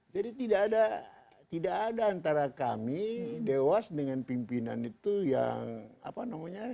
jadi tidak ada antara kami dewas dengan pimpinan itu yang apa namanya